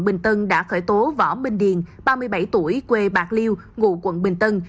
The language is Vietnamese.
bình tân đã khởi tố võ minh điền ba mươi bảy tuổi quê bạc liêu ngụ quận bình tân